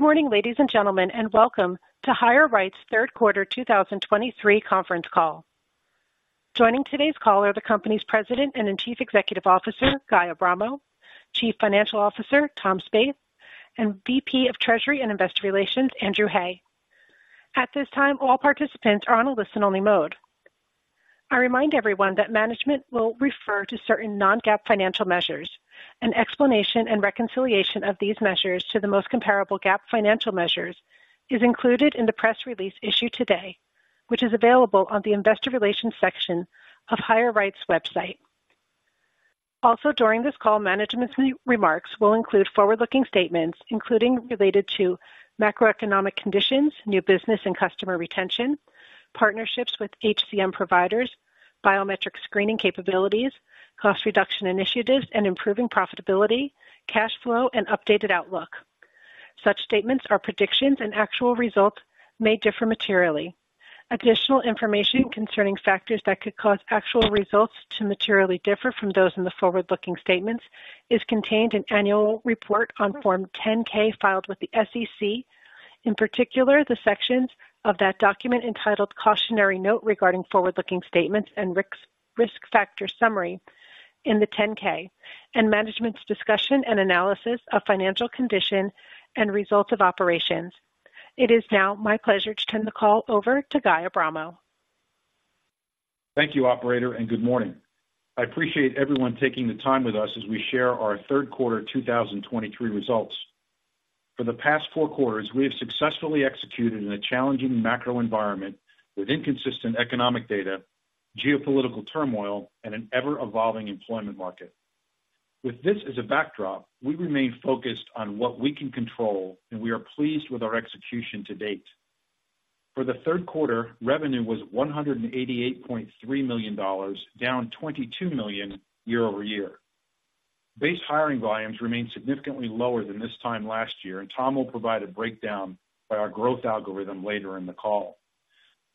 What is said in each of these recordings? Good morning, ladies and gentlemen, and welcome to HireRight's third quarter 2023 conference call. Joining today's call are the company's President and Chief Executive Officer, Guy Abramo, Chief Financial Officer, Tom Spaeth, and VP of Treasury and Investor Relations, Andrew Hay. At this time, all participants are on a listen-only mode. I remind everyone that management will refer to certain non-GAAP financial measures. An explanation and reconciliation of these measures to the most comparable GAAP financial measures is included in the press release issued today, which is available on the Investor Relations section of HireRight's website. Also, during this call, management's remarks will include forward-looking statements, including related to macroeconomic conditions, new business and customer retention, partnerships with HCM providers, biometric screening capabilities, cost reduction initiatives, and improving profitability, cash flow, and updated outlook. Such statements are predictions, and actual results may differ materially. Additional information concerning factors that could cause actual results to materially differ from those in the forward-looking statements is contained in Annual Report on Form 10-K filed with the SEC. In particular, the sections of that document entitled Cautionary Note regarding forward-looking statements and Risk, Risk Factor Summary in the 10-K, and Management's Discussion and Analysis of Financial Condition and Results of Operations. It is now my pleasure to turn the call over to Guy Abramo. Thank you, operator, and good morning. I appreciate everyone taking the time with us as we share our third quarter 2023 results. For the past four quarters, we have successfully executed in a challenging macro environment with inconsistent economic data, geopolitical turmoil, and an ever-evolving employment market. With this as a backdrop, we remain focused on what we can control, and we are pleased with our execution to date. For the third quarter, revenue was $188.3 million, down $22 million year-over-year. Base hiring volumes remain significantly lower than this time last year, and Tom will provide a breakdown by our growth algorithm later in the call.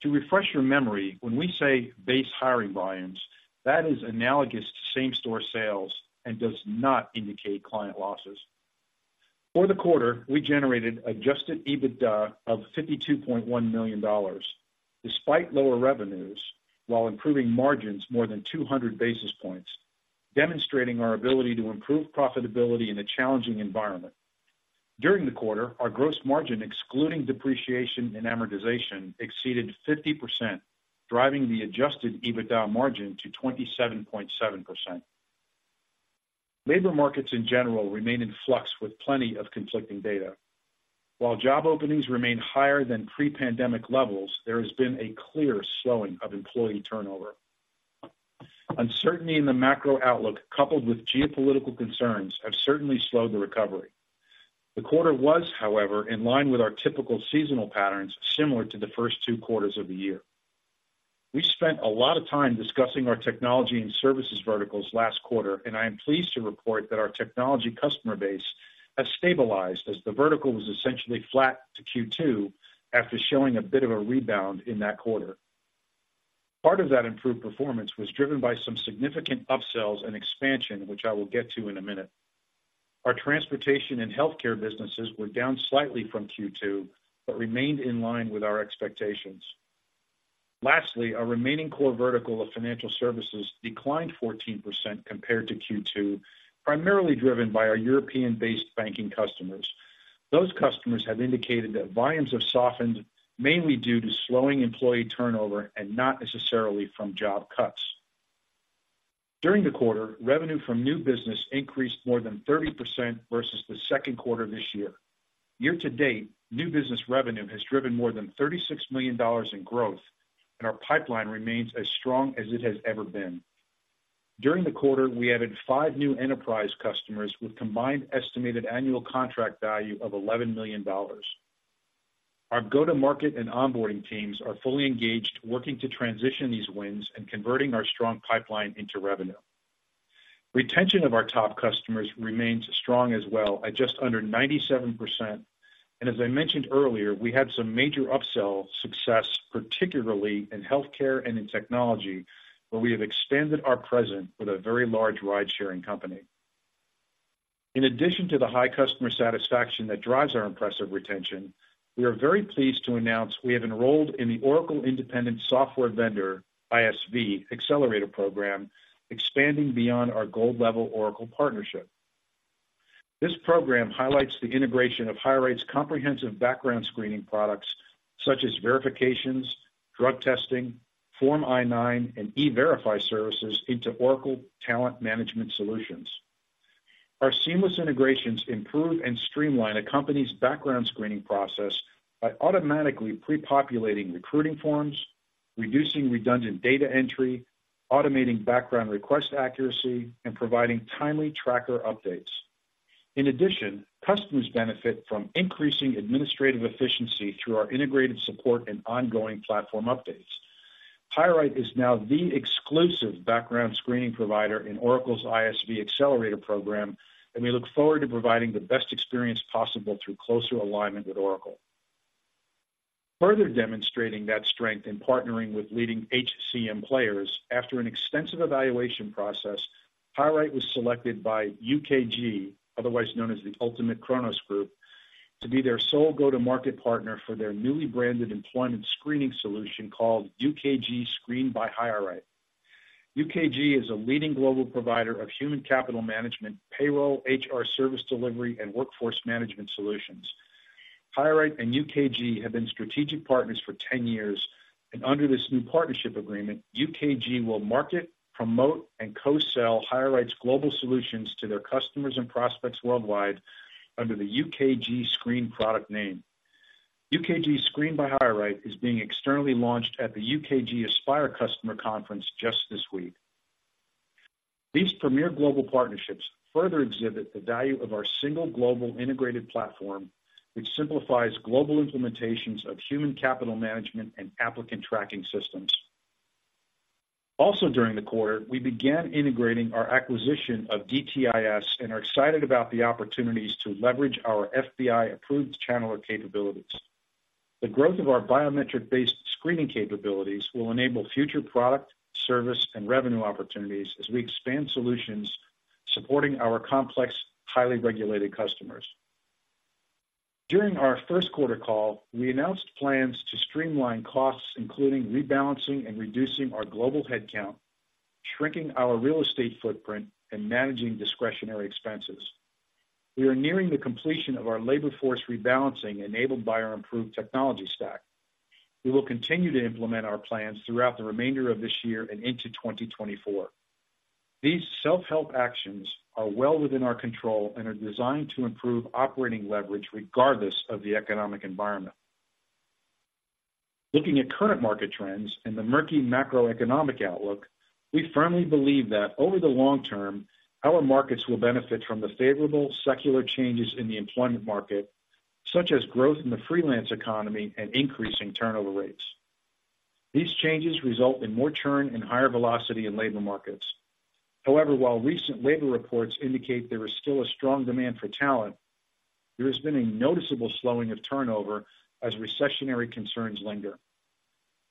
To refresh your memory, when we say base hiring volumes, that is analogous to same-store sales and does not indicate client losses. For the quarter, we generated Adjusted EBITDA of $52.1 million, despite lower revenues, while improving margins more than 200 basis points, demonstrating our ability to improve profitability in a challenging environment. During the quarter, our gross margin, excluding depreciation and amortization, exceeded 50%, driving the Adjusted EBITDA margin to 27.7%. Labor markets in general remain in flux with plenty of conflicting data. While job openings remain higher than pre-pandemic levels, there has been a clear slowing of employee turnover. Uncertainty in the macro outlook, coupled with geopolitical concerns, have certainly slowed the recovery. The quarter was, however, in line with our typical seasonal patterns, similar to the first two quarters of the year. We spent a lot of time discussing our technology and services verticals last quarter, and I am pleased to report that our technology customer base has stabilized as the vertical was essentially flat to Q2 after showing a bit of a rebound in that quarter. Part of that improved performance was driven by some significant upsells and expansion, which I will get to in a minute. Our transportation and healthcare businesses were down slightly from Q2, but remained in line with our expectations. Lastly, our remaining core vertical of financial services declined 14% compared to Q2, primarily driven by our European-based banking customers. Those customers have indicated that volumes have softened, mainly due to slowing employee turnover and not necessarily from job cuts. During the quarter, revenue from new business increased more than 30% versus the second quarter of this year. Year to date, new business revenue has driven more than $36 million in growth, and our pipeline remains as strong as it has ever been. During the quarter, we added five new enterprise customers with combined estimated annual contract value of $11 million. Our go-to-market and onboarding teams are fully engaged, working to transition these wins and converting our strong pipeline into revenue. Retention of our top customers remains strong as well at just under 97%. As I mentioned earlier, we had some major upsell success, particularly in healthcare and in technology, where we have expanded our presence with a very large ride-sharing company. In addition to the high customer satisfaction that drives our impressive retention, we are very pleased to announce we have enrolled in the Oracle Independent Software Vendor, ISV, Accelerator Program, expanding beyond our Gold-level Oracle partnership. This program highlights the integration of HireRight's comprehensive background screening products, such as verifications, drug testing, Form I-9, and E-Verify services into Oracle Talent Management Solutions. Our seamless integrations improve and streamline a company's background screening process by automatically pre-populating recruiting forms, reducing redundant data entry, automating background request accuracy, and providing timely tracker updates. In addition, customers benefit from increasing administrative efficiency through our integrated support and ongoing platform updates. HireRight is now the exclusive background screening provider in Oracle's ISV Accelerator Program, and we look forward to providing the best experience possible through closer alignment with Oracle. Further demonstrating that strength in partnering with leading HCM players, after an extensive evaluation process, HireRight was selected by UKG, otherwise known as the Ultimate Kronos Group, to be their sole go-to-market partner for their newly branded employment screening solution, called UKG Screen by HireRight. UKG is a leading global provider of human capital management, payroll, HR service delivery, and workforce management solutions. HireRight and UKG have been strategic partners for 10 years, and under this new partnership agreement, UKG will market, promote, and co-sell HireRight's global solutions to their customers and prospects worldwide under the UKG Screen product name. UKG Screen by HireRight is being externally launched at the UKG Aspire Customer Conference just this week. These premier global partnerships further exhibit the value of our single global integrated platform, which simplifies global implementations of human capital management and applicant tracking systems. Also, during the quarter, we began integrating our acquisition of DTIS and are excited about the opportunities to leverage our FBI-approved channeler capabilities. The growth of our biometric-based screening capabilities will enable future product, service, and revenue opportunities as we expand solutions supporting our complex, highly regulated customers. During our first quarter call, we announced plans to streamline costs, including rebalancing and reducing our global headcount, shrinking our real estate footprint, and managing discretionary expenses. We are nearing the completion of our labor force rebalancing, enabled by our improved technology stack. We will continue to implement our plans throughout the remainder of this year and into 2024. These self-help actions are well within our control and are designed to improve operating leverage regardless of the economic environment. Looking at current market trends and the murky macroeconomic outlook, we firmly believe that over the long term, our markets will benefit from the favorable secular changes in the employment market, such as growth in the freelance economy and increasing turnover rates. These changes result in more churn and higher velocity in labor markets. However, while recent labor reports indicate there is still a strong demand for talent, there has been a noticeable slowing of turnover as recessionary concerns linger.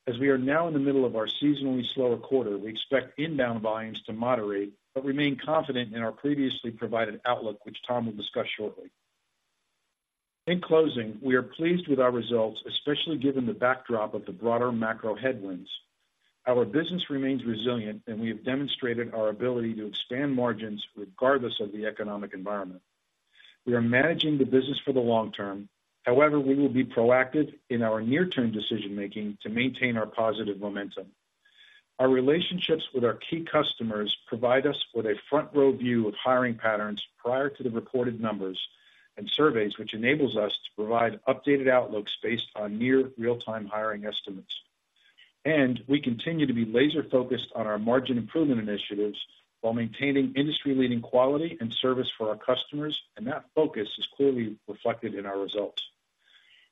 As we are now in the middle of our seasonally slower quarter, we expect inbound volumes to moderate, but remain confident in our previously provided outlook, which Tom will discuss shortly. In closing, we are pleased with our results, especially given the backdrop of the broader macro headwinds. Our business remains resilient, and we have demonstrated our ability to expand margins regardless of the economic environment. We are managing the business for the long term. However, we will be proactive in our near-term decision-making to maintain our positive momentum. Our relationships with our key customers provide us with a front-row view of hiring patterns prior to the reported numbers and surveys, which enables us to provide updated outlooks based on near real-time hiring estimates. We continue to be laser-focused on our margin improvement initiatives while maintaining industry-leading quality and service for our customers, and that focus is clearly reflected in our results.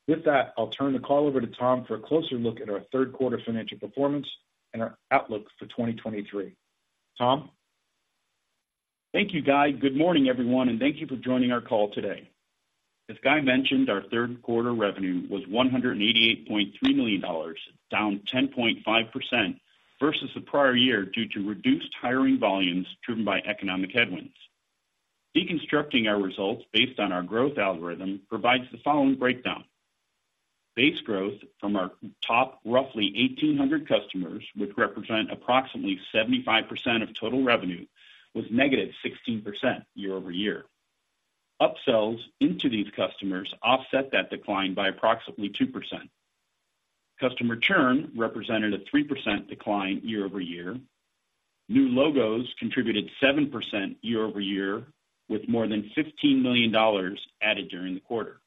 With that, I'll turn the call over to Tom for a closer look at our third quarter financial performance and our outlook for 2023. Tom? Thank you, Guy. Good morning, everyone, and thank you for joining our call today. As Guy mentioned, our third quarter revenue was $188.3 million, down 10.5% versus the prior year due to reduced hiring volumes driven by economic headwinds. Deconstructing our results based on our growth algorithm provides the following breakdown: Base growth from our top, roughly 1,800 customers, which represent approximately 75% of total revenue, was negative 16% year-over-year. Upsells into these customers offset that decline by approximately 2%. Customer churn represented a 3% decline year-over-year. New logos contributed 7% year-over-year, with more than $15 million added during the quarter.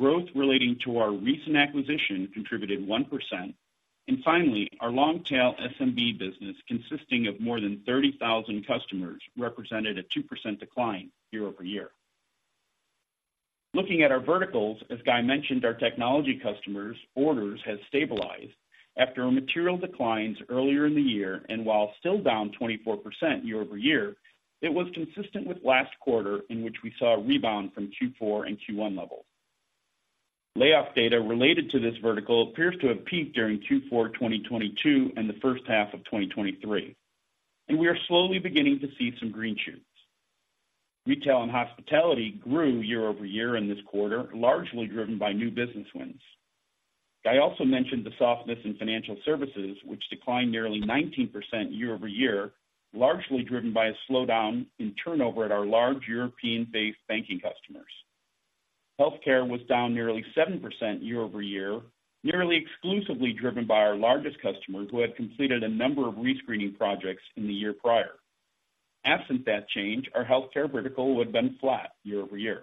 Growth relating to our recent acquisition contributed 1%. Finally, our long-tail SMB business, consisting of more than 30,000 customers, represented a 2% decline year-over-year. Looking at our verticals, as Guy mentioned, our technology customers' orders have stabilized after material declines earlier in the year, and while still down 24% year-over-year, it was consistent with last quarter, in which we saw a rebound from Q4 and Q1 levels. Layoff data related to this vertical appears to have peaked during Q4 2022 and the first half of 2023, and we are slowly beginning to see some green shoots. Retail and hospitality grew year-over-year in this quarter, largely driven by new business wins. Guy also mentioned the softness in financial services, which declined nearly 19% year-over-year, largely driven by a slowdown in turnover at our large European-based banking customers. Healthcare was down nearly 7% year-over-year, nearly exclusively driven by our largest customers, who had completed a number of rescreening projects in the year prior. Absent that change, our healthcare vertical would've been flat year-over-year.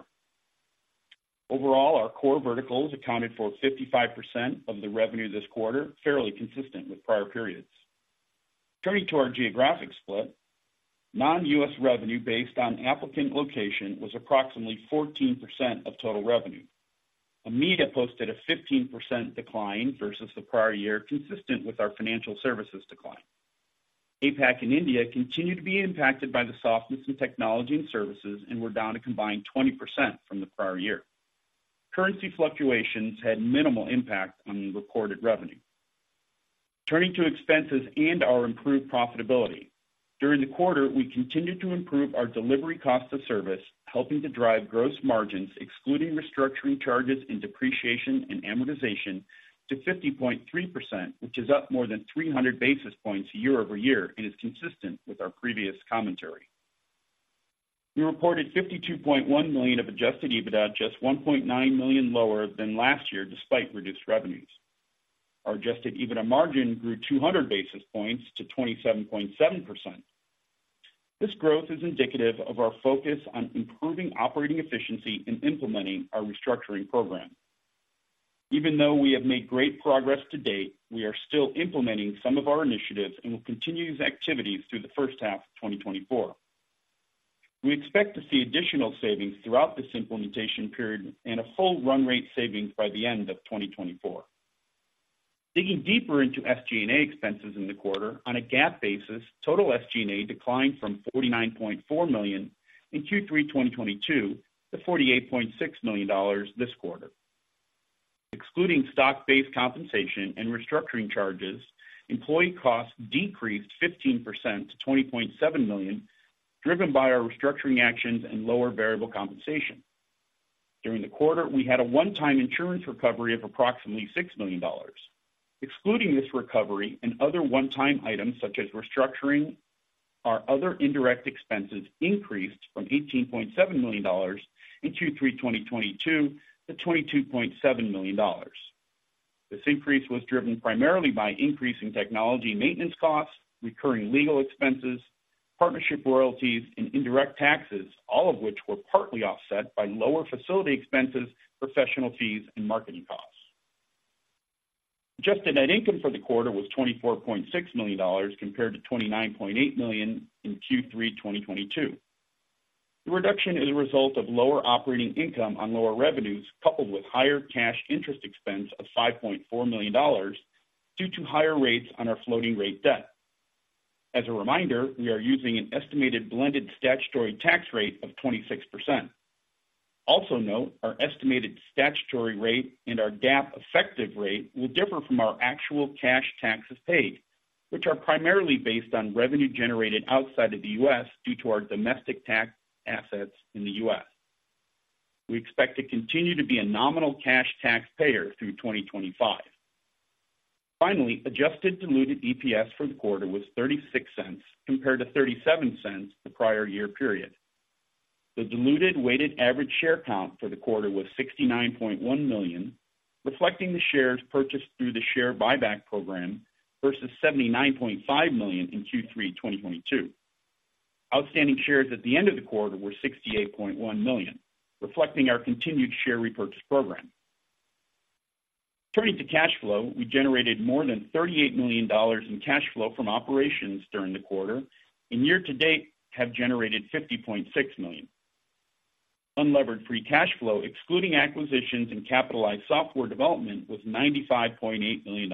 Overall, our core verticals accounted for 55% of the revenue this quarter, fairly consistent with prior periods. Turning to our geographic split, non-U.S. revenue based on applicant location was approximately 14% of total revenue. EMEA posted a 15% decline versus the prior year, consistent with our financial services decline. APAC and India continued to be impacted by the softness in technology and services, and were down a combined 20% from the prior year. Currency fluctuations had minimal impact on the recorded revenue. Turning to expenses and our improved profitability. During the quarter, we continued to improve our delivery cost of service, helping to drive gross margins, excluding restructuring charges and depreciation and amortization, to 50.3%, which is up more than 300 basis points year-over-year and is consistent with our previous commentary. We reported $52.1 million of Adjusted EBITDA, just $1.9 million lower than last year, despite reduced revenues. Our Adjusted EBITDA margin grew 200 basis points to 27.7%. This growth is indicative of our focus on improving operating efficiency and implementing our restructuring program. Even though we have made great progress to date, we are still implementing some of our initiatives and will continue these activities through the first half of 2024. We expect to see additional savings throughout this implementation period and a full run rate savings by the end of 2024. Digging deeper into SG&A expenses in the quarter, on a GAAP basis, total SG&A declined from $49.4 million in Q3 2022 to $48.6 million this quarter. Excluding stock-based compensation and restructuring charges, employee costs decreased 15% to $20.7 million, driven by our restructuring actions and lower variable compensation. During the quarter, we had a one-time insurance recovery of approximately $6 million. Excluding this recovery and other one-time items, such as restructuring, our other indirect expenses increased from $18.7 million in Q3 2022 to $22.7 million. This increase was driven primarily by increasing technology and maintenance costs, recurring legal expenses, partnership royalties, and indirect taxes, all of which were partly offset by lower facility expenses, professional fees, and marketing costs. Adjusted net income for the quarter was $24.6 million, compared to $29.8 million in Q3 2022. The reduction is a result of lower operating income on lower revenues, coupled with higher cash interest expense of $5.4 million due to higher rates on our floating rate debt. As a reminder, we are using an estimated blended statutory tax rate of 26%. Also note, our estimated statutory rate and our GAAP effective rate will differ from our actual cash taxes paid, which are primarily based on revenue generated outside of the U.S. due to our domestic tax assets in the U.S. We expect to continue to be a nominal cash taxpayer through 2025. Finally, Adjusted Diluted EPS for the quarter was $0.36, compared to $0.37 the prior year period. The diluted weighted average share count for the quarter was 69.1 million, reflecting the shares purchased through the share buyback program versus 79.5 million in Q3 2022. Outstanding shares at the end of the quarter were 68.1 million, reflecting our continued share repurchase program. Turning to cash flow, we generated more than $38 million in cash flow from operations during the quarter, and year to date, have generated $50.6 million. Unlevered free cash flow, excluding acquisitions and capitalized software development, was $95.8 million.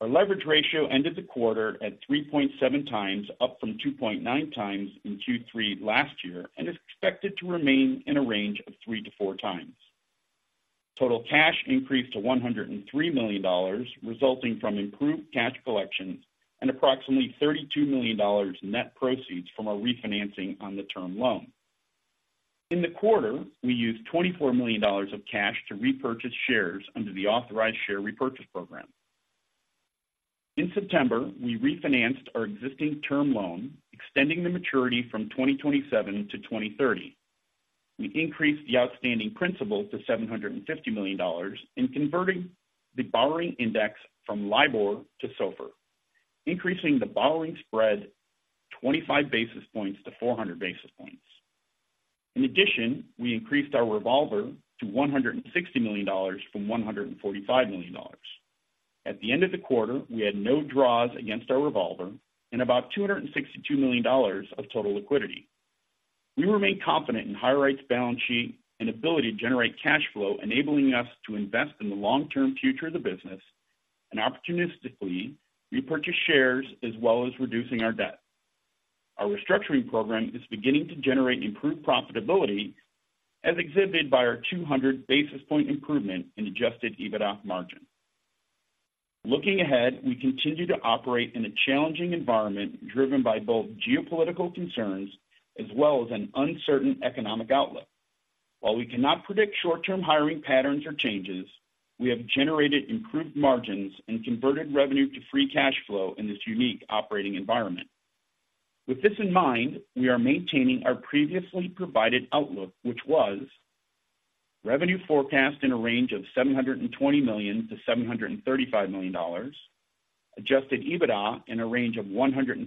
Our leverage ratio ended the quarter at 3.7x, up from 2.9x in Q3 last year, and is expected to remain in a range of three to four times. Total cash increased to $103 million, resulting from improved cash collections and approximately $32 million net proceeds from our refinancing on the term loan. In the quarter, we used $24 million of cash to repurchase shares under the authorized share repurchase program. In September, we refinanced our existing term loan, extending the maturity from 2027 to 2030. We increased the outstanding principal to $750 million and converted the borrowing index from LIBOR to SOFR, increasing the borrowing spread 25 basis points to 400 basis points. In addition, we increased our revolver to $160 million from $145 million. At the end of the quarter, we had no draws against our revolver and about $262 million of total liquidity. We remain confident in HireRight's balance sheet and ability to generate cash flow, enabling us to invest in the long-term future of the business and opportunistically repurchase shares, as well as reducing our debt. Our restructuring program is beginning to generate improved profitability, as exhibited by our 200 basis point improvement in Adjusted EBITDA margin. Looking ahead, we continue to operate in a challenging environment, driven by both geopolitical concerns as well as an uncertain economic outlook. While we cannot predict short-term hiring patterns or changes, we have generated improved margins and converted revenue to free cash flow in this unique operating environment. With this in mind, we are maintaining our previously provided outlook, which was: revenue forecast in a range of $720 million-$735 million, Adjusted EBITDA in a range of $172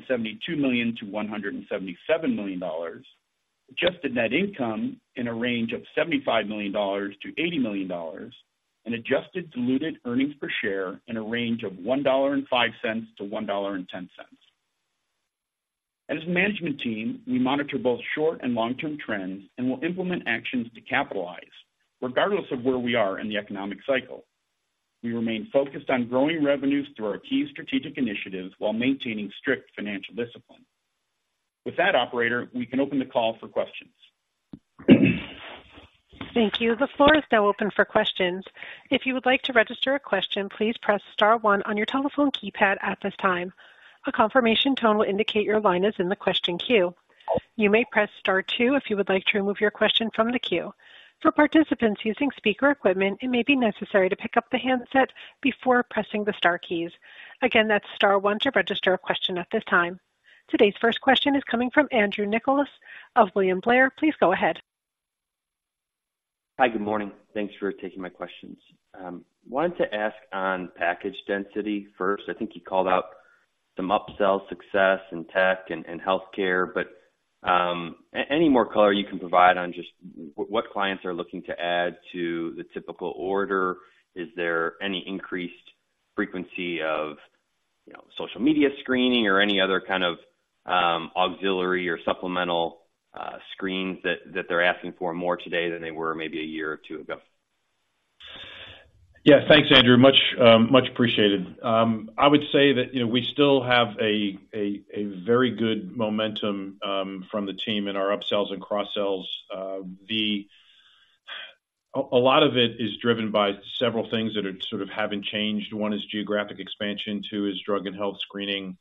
million-$177 million, adjusted net income in a range of $75 million-$80 million, and adjusted diluted earnings per share in a range of $1.05-$1.10. As a management team, we monitor both short and long-term trends and will implement actions to capitalize, regardless of where we are in the economic cycle. We remain focused on growing revenues through our key strategic initiatives while maintaining strict financial discipline. With that, operator, we can open the call for questions. Thank you. The floor is now open for questions. If you would like to register a question, please press star one on your telephone keypad at this time. A confirmation tone will indicate your line is in the question queue. You may press star two if you would like to remove your question from the queue. For participants using speaker equipment, it may be necessary to pick up the handset before pressing the star keys. Again, that's star one to register a question at this time. Today's first question is coming from Andrew Nicholas of William Blair. Please go ahead. Hi, good morning. Thanks for taking my questions. Wanted to ask on package density first. I think you called out some upsell success in tech and healthcare, but any more color you can provide on just what clients are looking to add to the typical order? Is there any increased frequency of, you know, social media screening or any other kind of auxiliary or supplemental screens that they're asking for more today than they were maybe a year or two ago? Yeah, thanks, Andrew. Much appreciated. I would say that, you know, we still have a very good momentum from the team in our upsells and cross-sells. A lot of it is driven by several things that are sort of haven't changed. One is geographic expansion, two is drug and health screening,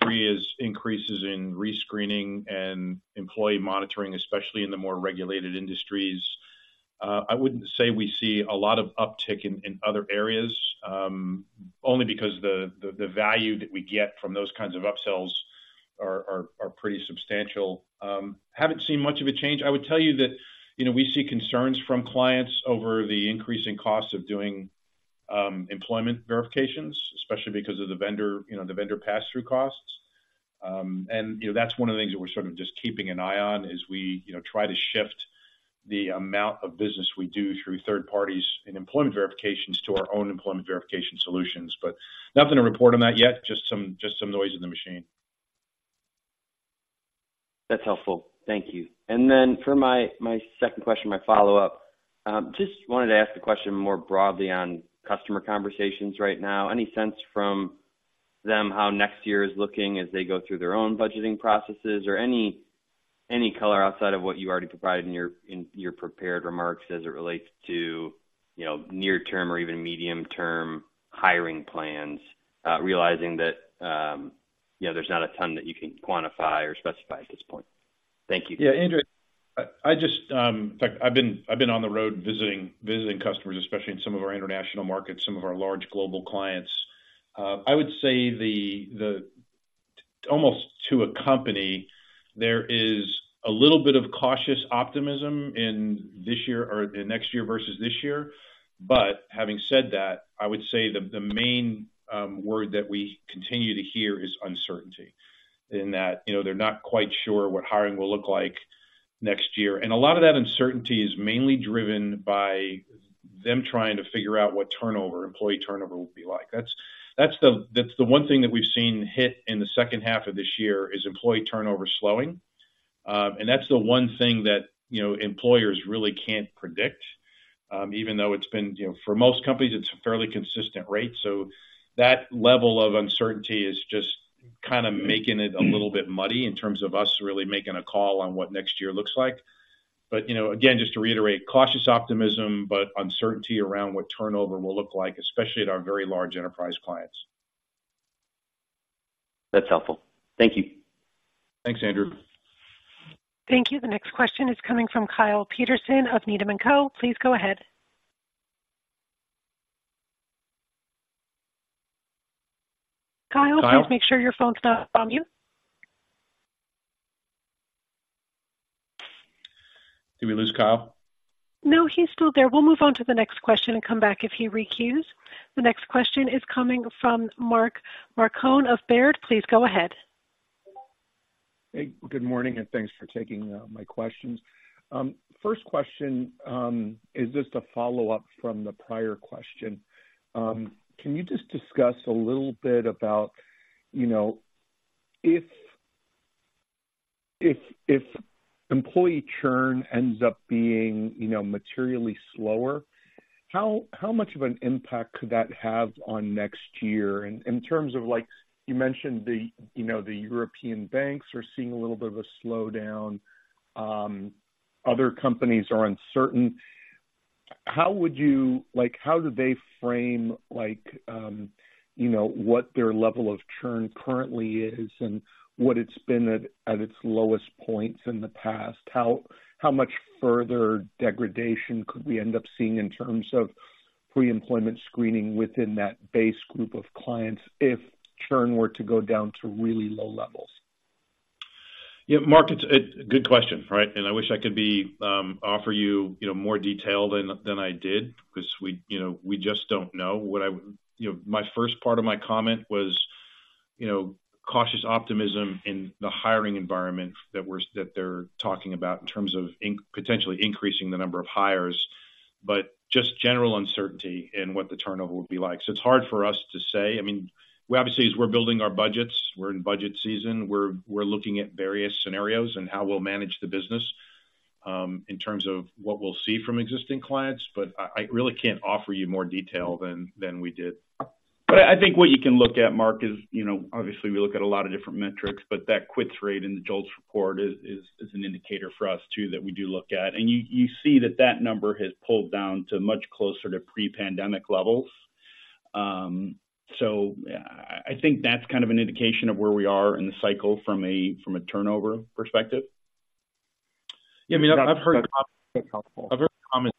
three is increases in rescreening and employee monitoring, especially in the more regulated industries. I wouldn't say we see a lot of uptick in other areas, only because the value that we get from those kinds of upsells are pretty substantial. Haven't seen much of a change. I would tell you that, you know, we see concerns from clients over the increasing costs of doing employment verifications, especially because of the vendor, you know, the vendor pass-through costs. You know, that's one of the things that we're sort of just keeping an eye on as we, you know, try to shift the amount of business we do through third parties in employment verifications to our own employment verification solutions. But nothing to report on that yet, just some, just some noise in the machine. That's helpful. Thank you. And then for my second question, my follow-up, just wanted to ask the question more broadly on customer conversations right now. Any sense from them how next year is looking as they go through their own budgeting processes? Or any color outside of what you already provided in your prepared remarks as it relates to, you know, near term or even medium-term hiring plans, realizing that, you know, there's not a ton that you can quantify or specify at this point? Thank you. Yeah, Andrew, I just... In fact, I've been on the road visiting customers, especially in some of our international markets, some of our large global clients. I would say almost to a company, there is a little bit of cautious optimism in this year or in next year versus this year. But having said that, I would say the main word that we continue to hear is uncertainty, in that, you know, they're not quite sure what hiring will look like next year. And a lot of that uncertainty is mainly driven by them trying to figure out what turnover, employee turnover will be like. That's the one thing that we've seen hit in the second half of this year, is employee turnover slowing. And that's the one thing that, you know, employers really can't predict, even though it's been, you know, for most companies, it's a fairly consistent rate. So that level of uncertainty is just kind of making it a little bit muddy in terms of us really making a call on what next year looks like. But, you know, again, just to reiterate, cautious optimism, but uncertainty around what turnover will look like, especially at our very large enterprise clients. That's helpful. Thank you. Thanks, Andrew. Thank you. The next question is coming from Kyle Peterson of Needham & Co. Please go ahead. Kyle- Kyle? Please make sure your phone's not on mute. Did we lose Kyle? No, he's still there. We'll move on to the next question and come back if he requeues. The next question is coming from Mark Marcon of Baird. Please go ahead. Hey, good morning, and thanks for taking my questions. First question is just a follow-up from the prior question. Can you just discuss a little bit about, you know, if employee churn ends up being, you know, materially slower, how much of an impact could that have on next year? In terms of like, you mentioned the, you know, the European banks are seeing a little bit of a slowdown, other companies are uncertain. How would you... Like, how do they frame like, you know, what their level of churn currently is and what it's been at its lowest points in the past? How much further degradation could we end up seeing in terms of pre-employment screening within that base group of clients if churn were to go down to really low levels? Yeah, Mark, it's a good question, right? I wish I could offer you, you know, more detail than I did, because we, you know, we just don't know. What I, you know, my first part of my comment was, you know, cautious optimism in the hiring environment that we're, that they're talking about in terms of potentially increasing the number of hires, but just general uncertainty in what the turnover will be like. So it's hard for us to say. I mean, we obviously, as we're building our budgets, we're in budget season, we're looking at various scenarios and how we'll manage the business in terms of what we'll see from existing clients, but I really can't offer you more detail than we did. But I think what you can look at, Mark, is, you know, obviously we look at a lot of different metrics, but that quits rate in the JOLTS report is an indicator for us too, that we do look at. And you see that number has pulled down to much closer to pre-pandemic levels. So I think that's kind of an indication of where we are in the cycle from a turnover perspective. Yeah, I mean, I've heard comments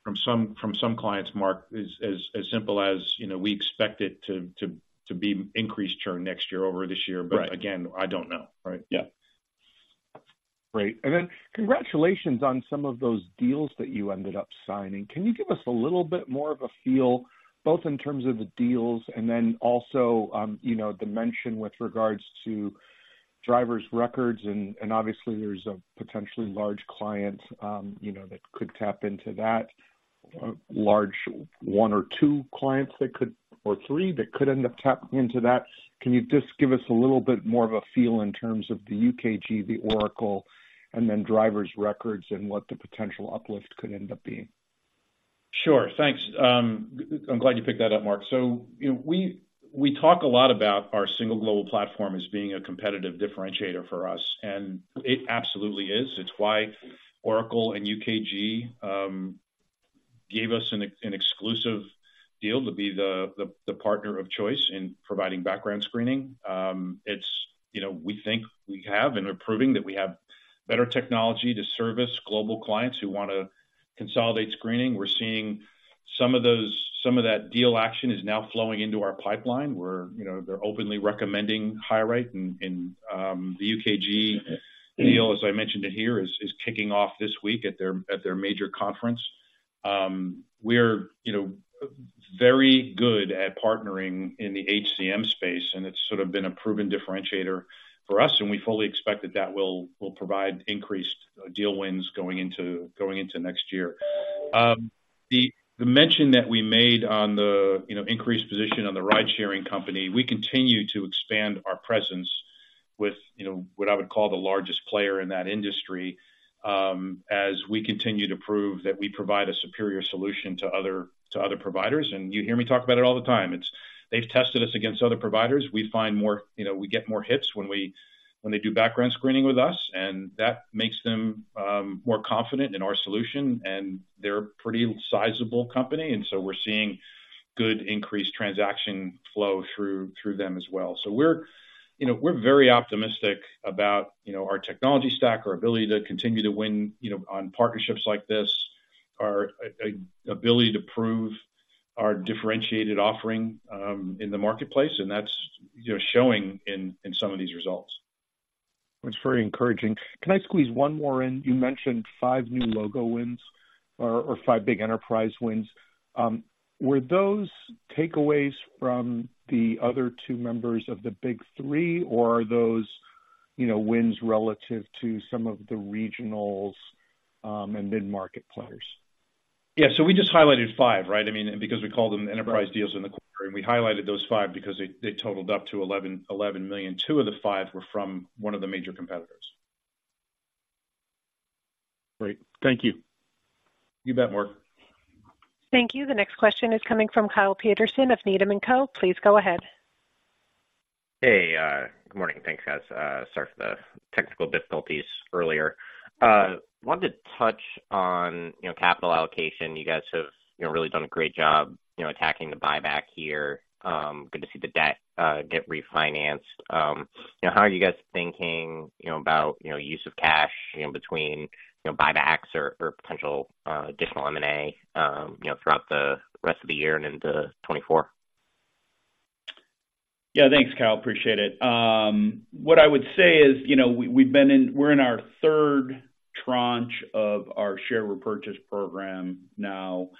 from some clients, Mark, as simple as, you know, we expect it to be increased churn next year over this year but again, I don't know. Right? Yeah. Great. And then congratulations on some of those deals that you ended up signing. Can you give us a little bit more of a feel, both in terms of the deals and then also, you know, the mention with regards to drivers' records, and, and obviously there's a potentially large client, you know, that could tap into that, large one or two clients that could or three, that could end up tapping into that. Can you just give us a little bit more of a feel in terms of the UKG, the Oracle, and then drivers' records and what the potential uplift could end up being? Sure. Thanks. I'm glad you picked that up, Mark. So, you know, we talk a lot about our single global platform as being a competitive differentiator for us, and it absolutely is. It's why Oracle and UKG gave us an exclusive deal to be the partner of choice in providing background screening. It's you know, we think we have, and we're proving that we have better technology to service global clients who want to consolidate screening. We're seeing some of those, some of that deal action is now flowing into our pipeline, where, you know, they're openly recommending HireRight. And the UKG deal, as I mentioned it here, is kicking off this week at their major conference. We're, you know, very good at partnering in the HCM space, and it's sort of been a proven differentiator for us, and we fully expect that will provide increased deal wins going into next year. The mention that we made on the, you know, increased position on the ride-sharing company, we continue to expand our presence with, you know, what I would call the largest player in that industry, as we continue to prove that we provide a superior solution to other providers. And you hear me talk about it all the time. It's they've tested us against other providers. We find more. You know, we get more hits when they do background screening with us, and that makes them more confident in our solution. They're a pretty sizable company, and so we're seeing good increased transaction flow through them as well. So we're, you know, we're very optimistic about, you know, our technology stack, our ability to continue to win, you know, on partnerships like this, our ability to prove our differentiated offering in the marketplace, and that's, you know, showing in some of these results. Well, it's very encouraging. Can I squeeze one more in? You mentioned five new logo wins or five big enterprise wins. Were those takeaways from the other two members of the big three, or are those, you know, wins relative to some of the regionals, and mid-market players? Yeah, so we just highlighted five, right? I mean, because we called them enterprise deals in the quarter, and we highlighted those five because they totaled up to $11 million. Two of the five were from one of the major competitors. Great. Thank you. You bet, Mark. Thank you. The next question is coming from Kyle Peterson of Needham & Co. Please go ahead. Hey, good morning. Thanks, guys. Sorry for the technical difficulties earlier. Wanted to touch on, you know, capital allocation. You guys have, you know, really done a great job, you know, attacking the buyback here. Good to see the debt get refinanced. You know, how are you guys thinking, you know, about, you know, use of cash in between, you know, buybacks or, or potential additional M&A, you know, throughout the rest of the year and into 2024? Yeah, thanks, Kyle, appreciate it. What I would say is, you know, we're in our third tranche of our share repurchase program now, and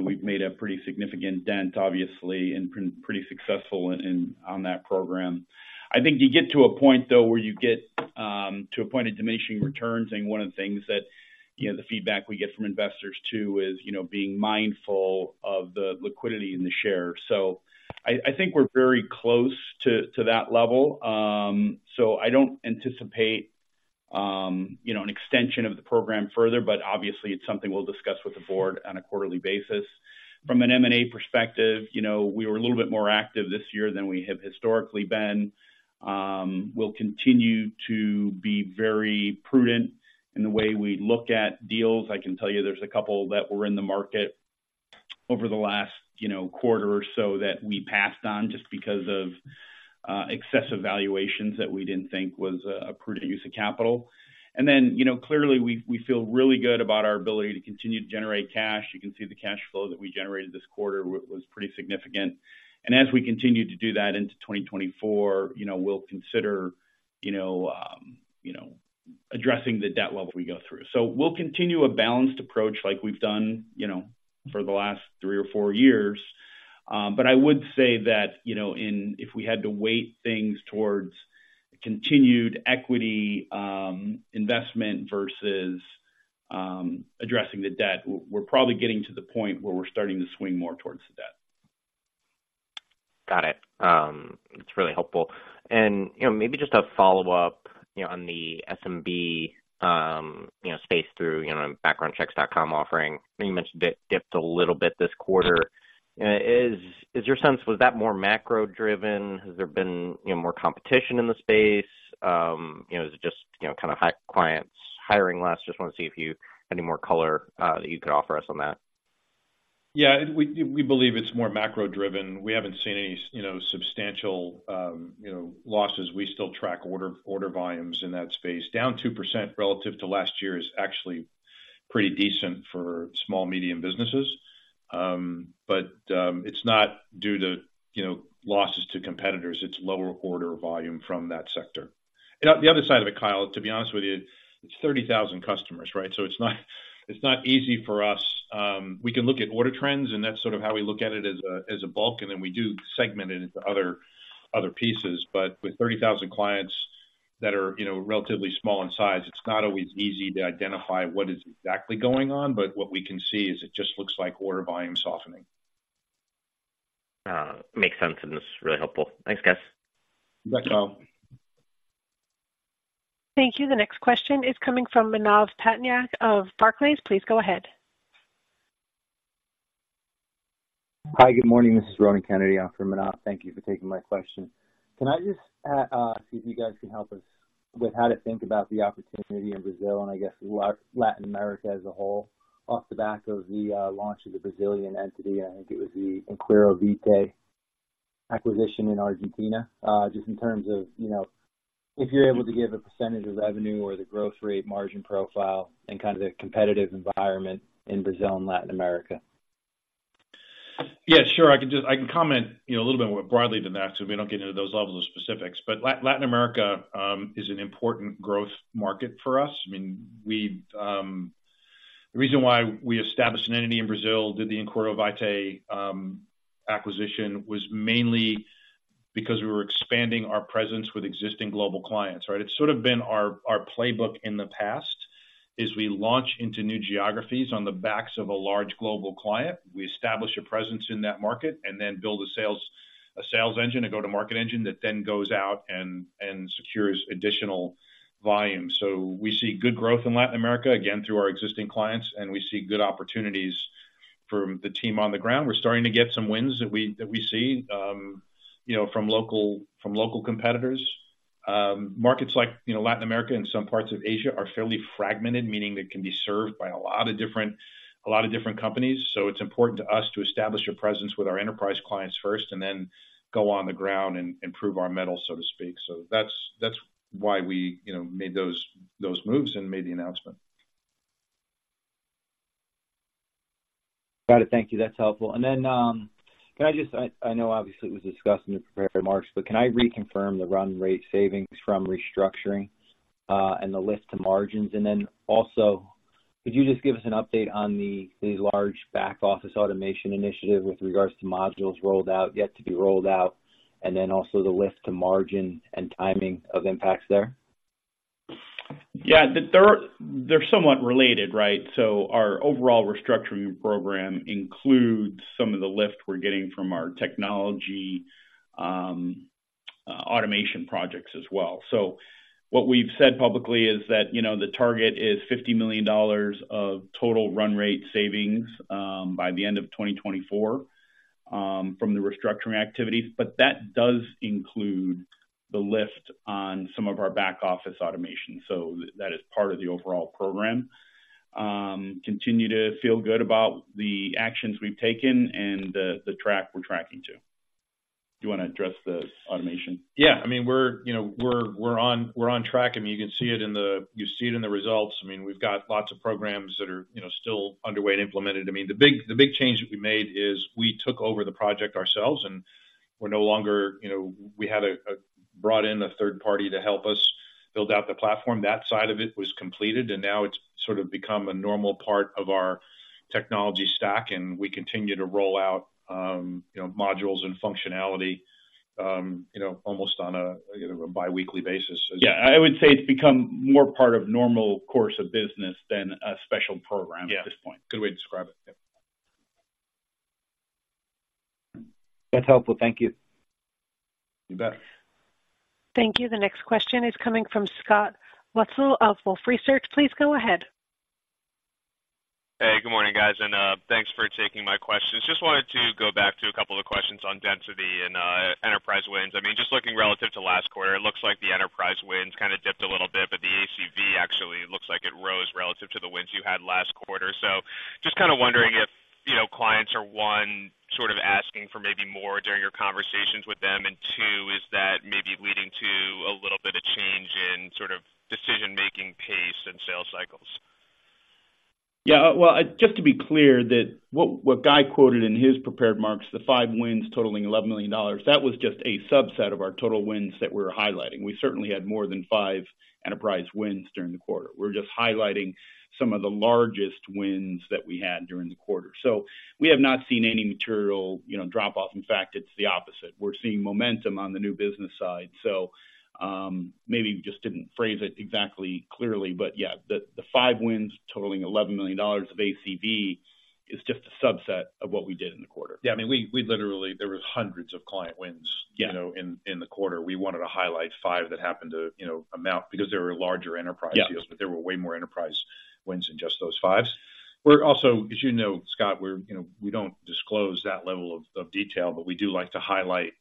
we've made a pretty significant dent, obviously, and pretty successful in, on that program. I think you get to a point, though, where you get to a point of diminishing returns. And one of the things that, you know, the feedback we get from investors, too, is, you know, being mindful of the liquidity in the share. So I think we're very close to that level. So I don't anticipate, you know, an extension of the program further, but obviously it's something we'll discuss with the board on a quarterly basis. From an M&A perspective, you know, we were a little bit more active this year than we have historically been. We'll continue to be very prudent in the way we look at deals. I can tell you there's a couple that were in the market over the last, you know, quarter or so that we passed on just because of excessive valuations that we didn't think was a prudent use of capital. And then, you know, clearly we feel really good about our ability to continue to generate cash. You can see the cash flow that we generated this quarter was pretty significant. And as we continue to do that into 2024, you know, we'll consider, you know, addressing the debt level we go through. So we'll continue a balanced approach like we've done, you know, for the last three or four years. But I would say that, you know, if we had to weigh things towards continued equity investment versus addressing the debt, we're probably getting to the point where we're starting to swing more towards the debt. Got it. It's really helpful. And, you know, maybe just a follow-up, you know, on the SMB, you know, space through, you know, backgroundchecks.com offering. You mentioned it dipped a little bit this quarter. Is your sense that it was more macro-driven? Has there been, you know, more competition in the space? You know, is it just, you know, kind of high clients hiring less? Just want to see if you any more color that you could offer us on that. Yeah, we believe it's more macro-driven. We haven't seen any, you know, substantial, you know, losses. We still track order volumes in that space. Down 2% relative to last year is actually pretty decent for small medium businesses. But, it's not due to, you know, losses to competitors, it's lower order volume from that sector. And on the other side of it, Kyle, to be honest with you, it's 30,000 customers, right? So it's not, it's not easy for us. We can look at order trends, and that's sort of how we look at it as a bulk, and then we do segment it into other pieces. But with 30,000 clients that are, you know, relatively small in size, it's not always easy to identify what is exactly going on, but what we can see is it just looks like order volume softening. Makes sense, and it's really helpful. Thanks, guys. You bet, Kyle. Thank you. The next question is coming from Manav Patnaik of Barclays. Please go ahead. Hi, good morning. This is Ronan Kennedy in for Manav. Thank you for taking my question. Can I just ask if you guys can help us with how to think about the opportunity in Brazil and I guess Latin America as a whole, off the back of the launch of the Brazilian entity? I think it was the Inquiro Vitae acquisition in Argentina. Just in terms of, you know, if you're able to give a percentage of revenue or the growth rate, margin profile and kind of the competitive environment in Brazil and Latin America. Yeah, sure. I can comment, you know, a little bit more broadly than that, so we don't get into those levels of specifics. But Latin America is an important growth market for us. I mean, the reason why we established an entity in Brazil, did the Inquiro Vitae acquisition, was mainly because we were expanding our presence with existing global clients, right? It's sort of been our playbook in the past, is we launch into new geographies on the backs of a large global client. We establish a presence in that market and then build a sales engine, a go-to-market engine, that then goes out and secures additional volume. So we see good growth in Latin America, again, through our existing clients, and we see good opportunities from the team on the ground. We're starting to get some wins that we see, you know, from local competitors. Markets like, you know, Latin America and some parts of Asia are fairly fragmented, meaning they can be served by a lot of different companies. So it's important to us to establish a presence with our enterprise clients first and then go on the ground and improve our mettle, so to speak. So that's why we, you know, made those moves and made the announcement. Got it. Thank you. That's helpful. And then, can I just, I know obviously it was discussed in the prepared remarks, but can I reconfirm the run rate savings from restructuring, and the lift to margins? And then also, could you just give us an update on the large back office automation initiative with regards to modules rolled out, yet to be rolled out, and then also the lift to margin and timing of impacts there? Yeah, the third—they're somewhat related, right? So our overall restructuring program includes some of the lift we're getting from our technology automation projects as well. So what we've said publicly is that, you know, the target is $50 million of total run rate savings by the end of 2024 from the restructuring activities. But that does include the lift on some of our back office automation. So that is part of the overall program. Continue to feel good about the actions we've taken and the track we're tracking to. Do you want to address the automation? Yeah. I mean, we're, you know, we're, we're on, we're on track, and you can see it in the, you see it in the results. I mean, we've got lots of programs that are, you know, still underway and implemented. I mean, the big, the big change that we made is we took over the project ourselves, and we're no longer... You know, we had brought in a third party to help us build out the platform. That side of it was completed, and now it's sort of become a normal part of our technology stack, and we continue to roll out, you know, modules and functionality, you know, almost on a, you know, a biweekly basis. Yeah, I would say it's become more part of normal course of business than a special program- Yeah at this point. Good way to describe it. Yep. That's helpful. Thank you. You bet. Thank you. The next question is coming from Scott Wurtzel of Wolfe Research. Please go ahead. Hey, good morning, guys, and thanks for taking my questions. Just wanted to go back to a couple of questions on density and enterprise wins. I mean, just looking relative to last quarter, it looks like the enterprise wins kind of dipped a little bit, but the ACV actually looks like it rose relative to the wins you had last quarter. So just kind of wondering if, you know, clients are, one, sort of asking for maybe more during your conversations with them, and two, is that maybe leading to a little bit of change- Yeah, well, just to be clear that what Guy quoted in his prepared remarks, the five wins totaling $11 million, that was just a subset of our total wins that we're highlighting. We certainly had more than five enterprise wins during the quarter. We're just highlighting some of the largest wins that we had during the quarter. So we have not seen any material, you know, drop off. In fact, it's the opposite. We're seeing momentum on the new business side, so maybe just didn't phrase it exactly clearly, but yeah, the five wins totaling $11 million of ACV is just a subset of what we did in the quarter. Yeah, I mean, we literally—there were hundreds of client wins- Yeah You know, in the quarter. We wanted to highlight five that happened to, you know, amount because they were larger enterprise deals. Yeah. But there were way more enterprise wins than just those five. We're also, as you know, Scott, we're, you know, we don't disclose that level of, of detail, but we do like to highlight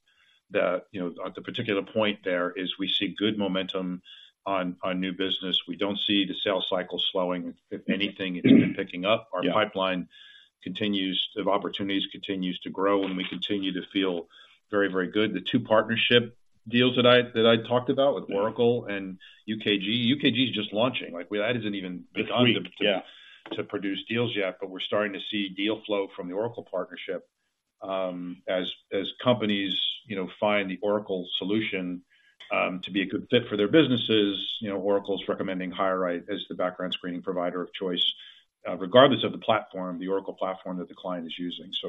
the, you know, the particular point there is we see good momentum on, on new business. We don't see the sales cycle slowing. If anything, it's been picking up. Yeah. Our pipeline of opportunities continues to grow, and we continue to feel very, very good. The two partnership deals that I talked about with Oracle and UKG. UKG is just launching, like, that isn't even begun. Yeah -to produce deals yet, but we're starting to see deal flow from the Oracle partnership. As companies, you know, find the Oracle solution to be a good fit for their businesses, you know, Oracle's recommending HireRight as the background screening provider of choice, regardless of the platform, the Oracle platform that the client is using. So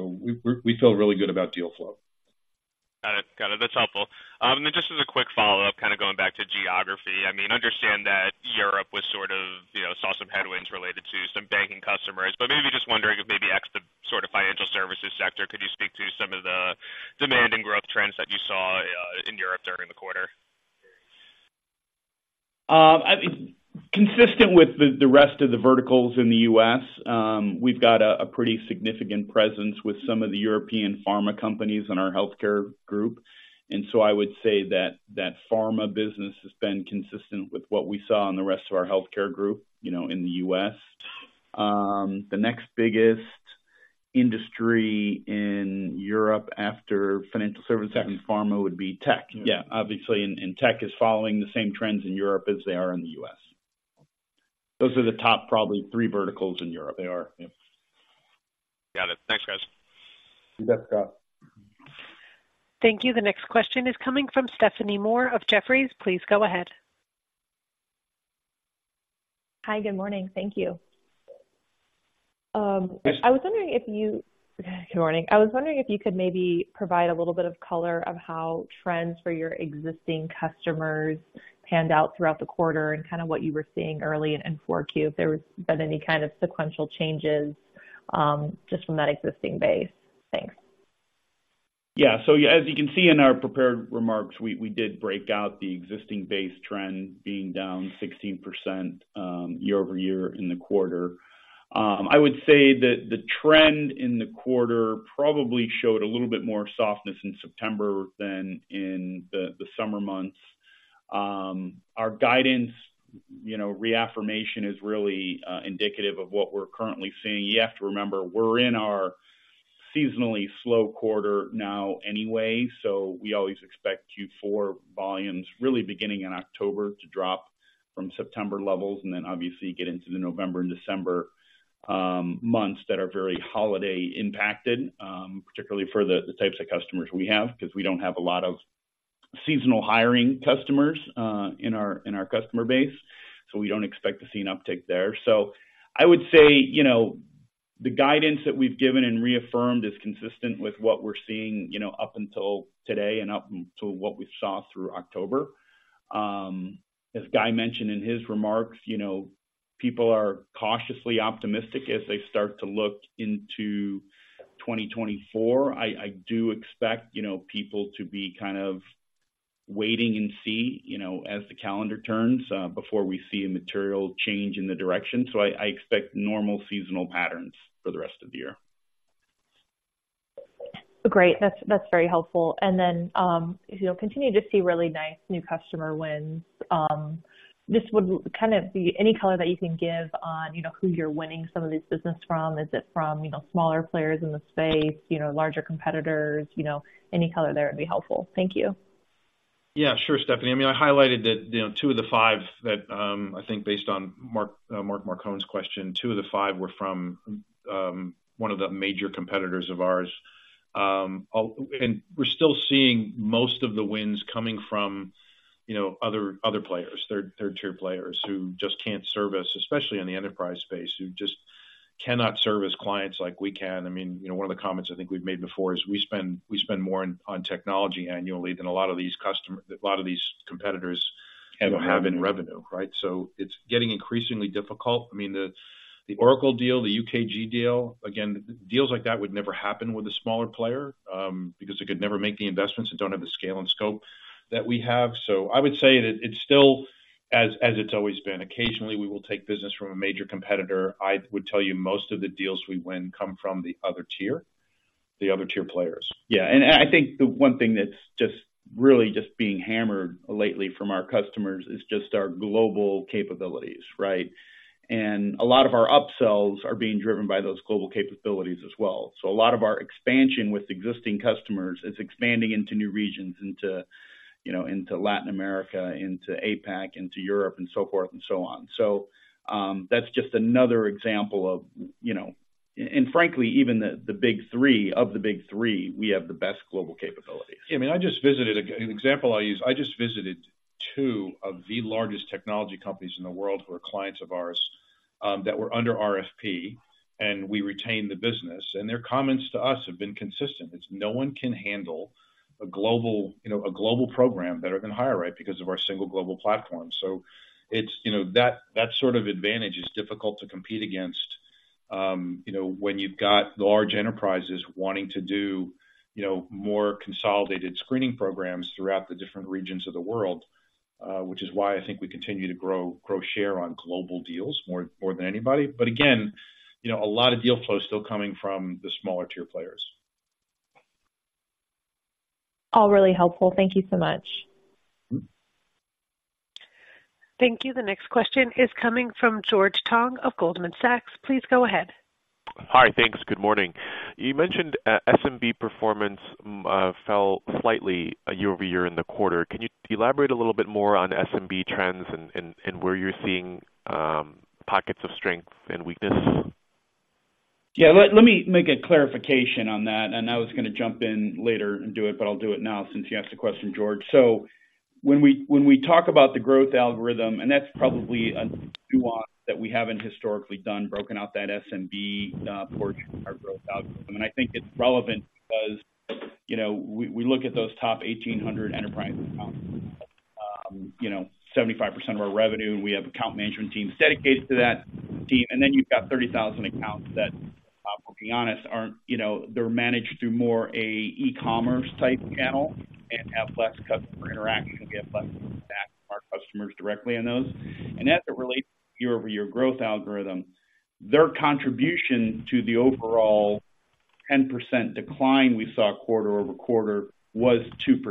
we feel really good about deal flow. Got it. Got it. That's helpful. And then just as a quick follow-up, kind of going back to geography, I mean, understand that Europe was sort of, you know, saw some headwinds related to some banking customers, but maybe just wondering if maybe X, the sort of financial services sector, could you speak to some of the demand and growth trends that you saw, in Europe during the quarter? Consistent with the rest of the verticals in the U.S., we've got a pretty significant presence with some of the European pharma companies in our healthcare group, and so I would say that that pharma business has been consistent with what we saw in the rest of our healthcare group, you know, in the U.S.. The next biggest industry in Europe after financial services and pharma would be tech. Yeah. Obviously, and tech is following the same trends in Europe as they are in the U.S. Those are the top, probably three verticals in Europe. They are, yeah. Got it. Thanks, guys. You bet, Scott. Thank you. The next question is coming from Stephanie Moore of Jefferies. Please go ahead. Hi, good morning. Thank you. Good morning. I was wondering if you could maybe provide a little bit of color of how trends for your existing customers panned out throughout the quarter and kind of what you were seeing early in Q4, if there was been any kind of sequential changes, just from that existing base. Thanks. Yeah. So as you can see in our prepared remarks, we did break out the existing base trend being down 16%, year-over-year in the quarter. I would say that the trend in the quarter probably showed a little bit more softness in September than in the summer months. Our guidance, you know, reaffirmation is really indicative of what we're currently seeing. You have to remember, we're in our seasonally slow quarter now anyway, so we always expect Q4 volumes really beginning in October to drop from September levels, and then obviously get into the November and December months that are very holiday impacted, particularly for the types of customers we have, because we don't have a lot of seasonal hiring customers in our customer base, so we don't expect to see an uptick there. So I would say, you know, the guidance that we've given and reaffirmed is consistent with what we're seeing, you know, up until today and up until what we saw through October. As Guy mentioned in his remarks, you know, people are cautiously optimistic as they start to look into 2024. I do expect, you know, people to be kind of waiting and see, you know, as the calendar turns, before we see a material change in the direction. So I expect normal seasonal patterns for the rest of the year. Great. That's, that's very helpful. And then, if you'll continue to see really nice new customer wins, this would kind of be any color that you can give on, you know, who you're winning some of this business from. Is it from, you know, smaller players in the space, you know, larger competitors? You know, any color there would be helpful. Thank you. Yeah, sure, Stephanie. I mean, I highlighted that, you know, two of the five that, I think based on Mark Marcon's question, two of the five were from one of the major competitors of ours. And we're still seeing most of the wins coming from, you know, other, other players, third, third-tier players who just can't service, especially in the enterprise space, who just cannot serve as clients like we can. I mean, you know, one of the comments I think we've made before is we spend, we spend more on, on technology annually than a lot of these customer— a lot of these competitors ever have in revenue, right? So it's getting increasingly difficult. I mean, the Oracle deal, the UKG deal, again, deals like that would never happen with a smaller player, because they could never make the investments that don't have the scale and scope that we have. So I would say that it's still as it's always been. Occasionally, we will take business from a major competitor. I would tell you, most of the deals we win come from the other tier, the other tier players. Yeah, and I, I think the one thing that's just really just being hammered lately from our customers is just our global capabilities, right? And a lot of our upsells are being driven by those global capabilities as well. So a lot of our expansion with existing customers is expanding into new regions, into, you know, into Latin America, into APAC, into Europe, and so forth and so on. So, that's just another example of, you know, and frankly, even the big three, of the big three, we have the best global capabilities. Yeah, I mean, an example I use: I just visited two of the largest technology companies in the world who are clients of ours... that were under RFP, and we retained the business. And their comments to us have been consistent. It's no one can handle a global, you know, a global program better than HireRight because of our single global platform. So it's, you know, that, that sort of advantage is difficult to compete against, you know, when you've got large enterprises wanting to do, you know, more consolidated screening programs throughout the different regions of the world. Which is why I think we continue to grow, grow share on global deals more, more than anybody. But again, you know, a lot of deal flow is still coming from the smaller tier players. All really helpful. Thank you so much. Thank you. The next question is coming from George Tong of Goldman Sachs. Please go ahead. Hi. Thanks. Good morning. You mentioned SMB performance fell slightly year-over-year in the quarter. Can you elaborate a little bit more on SMB trends and where you're seeing pockets of strength and weakness? Yeah, let me make a clarification on that, and I was gonna jump in later and do it, but I'll do it now since you asked the question, George. So when we talk about the growth algorithm, and that's probably a nuance that we haven't historically done, broken out that SMB portion of our growth algorithm. And I think it's relevant because, you know, we look at those top 1,800 enterprise accounts, you know, 75% of our revenue, and we have account management teams dedicated to that team. And then you've got 30,000 accounts that, if I'm being honest, aren't—you know, they're managed through more a e-commerce type channel and have less customer interaction, and we have less from our customers directly on those. As it relates to year-over-year growth algorithm, their contribution to the overall 10% decline we saw quarter-over-quarter was 2%.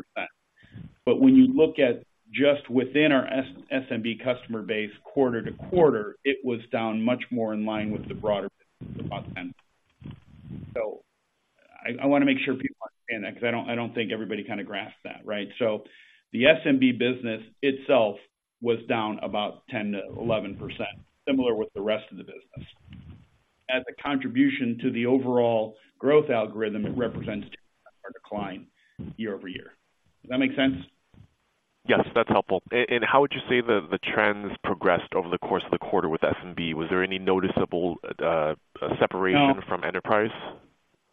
But when you look at just within our SMB customer base, quarter-over-quarter, it was down much more in line with the broader, about 10. So I, I wanna make sure people understand that because I don't, I don't think everybody kind of grasps that, right? So the SMB business itself was down about 10%-11%, similar with the rest of the business. As a contribution to the overall growth algorithm, it represents a decline year-over-year. Does that make sense? Yes, that's helpful. And how would you say the trends progressed over the course of the quarter with SMB? Was there any noticeable separation- No. -from enterprise?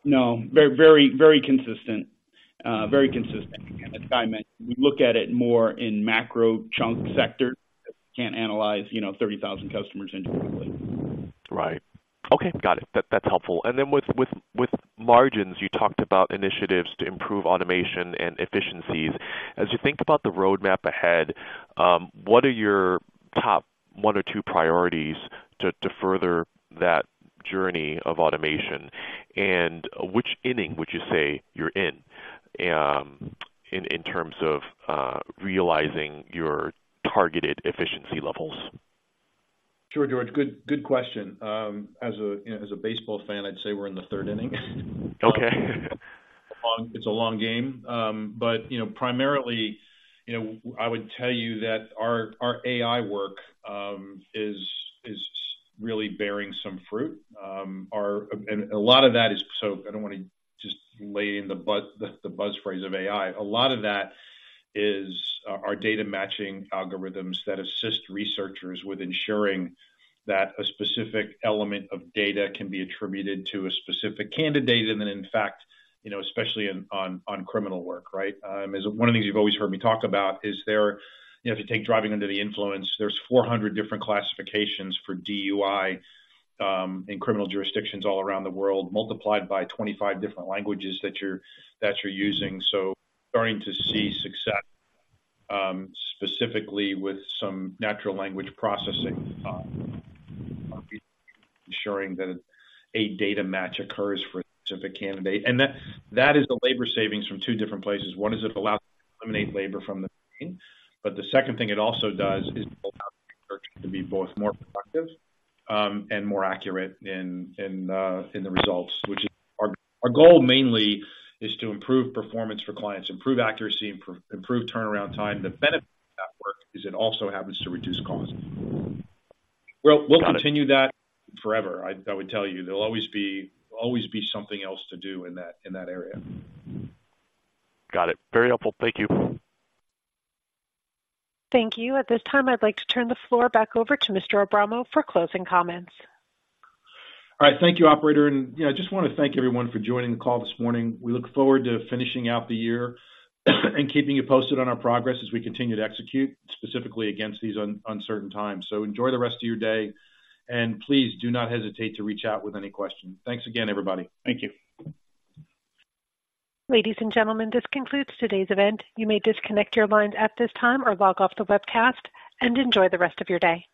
No, very, very, very consistent. Very consistent. As Guy mentioned, we look at it more in macro chunk sectors. Can't analyze, you know, 30,000 customers individually. Right. Okay, got it. That's helpful. And then with margins, you talked about initiatives to improve automation and efficiencies. As you think about the roadmap ahead, what are your top one or two priorities to further that journey of automation? And which inning would you say you're in, in terms of realizing your targeted efficiency levels? Sure, George, good, good question. As a, you know, as a baseball fan, I'd say we're in the third inning. Okay. It's a long game. But, you know, primarily, you know, I would tell you that our AI work is really bearing some fruit. And a lot of that is, so I don't want to just lay in the buzz phrase of AI. A lot of that is our data matching algorithms that assist researchers with ensuring that a specific element of data can be attributed to a specific candidate, and then in fact, you know, especially in on criminal work, right? As one of the things you've always heard me talk about is there you have to take driving under the influence, there's 400 different classifications for DUI in criminal jurisdictions all around the world, multiplied by 25 different languages that you're using. Starting to see success, specifically with some natural language processing, ensuring that a data match occurs for a specific candidate. That is a labor savings from two different places. One is it allows eliminate labor from the team, but the second thing it also does is allow to be both more productive and more accurate in the results. Which is our goal mainly is to improve performance for clients, improve accuracy, improve turnaround time. The benefit of that work is it also happens to reduce costs. Got it. We'll continue that forever. I would tell you, there'll always be something else to do in that area. Got it. Very helpful. Thank you. Thank you. At this time, I'd like to turn the floor back over to Mr. Abramo for closing comments. All right. Thank you, operator. And, you know, I just want to thank everyone for joining the call this morning. We look forward to finishing out the year and keeping you posted on our progress as we continue to execute, specifically against these uncertain times. So enjoy the rest of your day, and please do not hesitate to reach out with any questions. Thanks again, everybody. Thank you. Ladies and gentlemen, this concludes today's event. You may disconnect your lines at this time or log off the webcast, and enjoy the rest of your day.